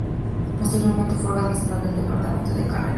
Posteriormente, fue organizador del departamento de carreras.